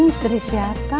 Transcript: ini istri siapa